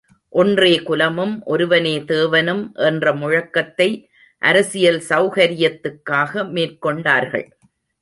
ஒன்றே குலமும், ஒருவனே தேவனும் என்ற முழக்கத்தை அரசியல் செளகரியத்துக்காக மேற்கொண்டார்கள்.